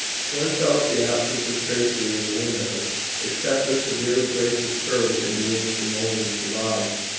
whence else the absence of tracery in the windows except the severely gracious curves into which the mullions divide?